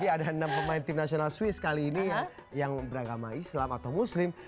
ada enam pemain tim nasional swiss kali ini yang beragama islam atau muslim